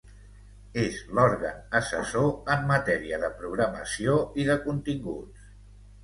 És l'òrgan assessor en matèria de programació i de continguts.